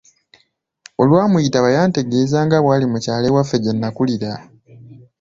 Olwamuyitaba yantegeeza nga bw'ali mu kyalo ewaffe gye nnakulira.